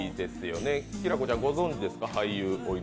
きらこちゃん、ご存じですか？